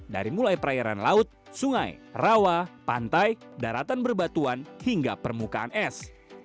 dari mulai perairan laut sungai rawa pantai daratan berbatuan hingga permukaan es